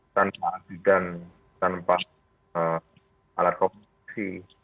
tanpa bidan tanpa alat komunikasi